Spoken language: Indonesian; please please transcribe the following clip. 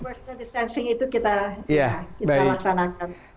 social distancing itu kita laksanakan